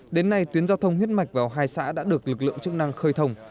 đến nay tuyến giao thông huyết mạch vào hai xã đã được lực lượng chức năng khơi thông